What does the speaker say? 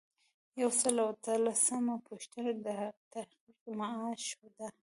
یو سل او اتلسمه پوښتنه د تحقیق د معاش ده.